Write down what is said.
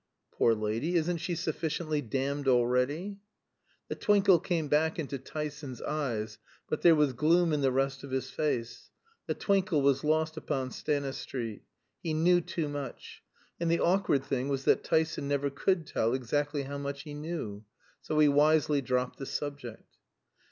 "Poor lady, isn't she sufficiently damned already?" The twinkle came back into Tyson's eyes, but there was gloom in the rest of his face. The twinkle was lost upon Stanistreet. He knew too much; and the awkward thing was that Tyson never could tell exactly how much he knew. So he wisely dropped the subject.